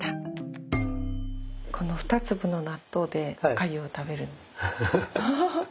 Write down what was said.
この２粒の納豆でおかゆを食べる。